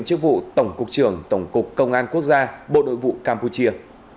chức vụ tổng cục trưởng tổng cục công an quốc gia bộ nội vụ campuchia